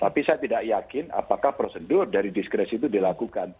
tapi saya tidak yakin apakah prosedur dari diskresi itu dilakukan